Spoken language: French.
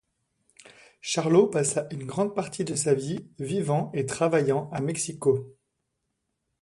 Charlot passa une grande partie de sa vie vivant et travaillant à Mexico.